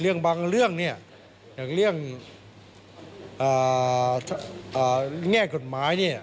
เรื่องบางเรื่องเนี่ยอย่างเรื่องแง่กฎหมาย